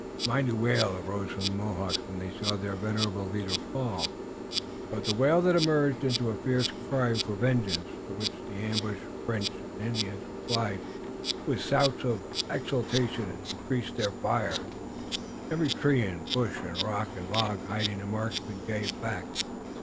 A mighty wail arose from the Mohawks when they saw their venerated leader fall, but the wail merged into a fierce cry for vengeance, to which the ambushed French and Indians replied with shouts of exultation and increased their fire, every tree and bush and rock and log hiding a marksman. "Give back!"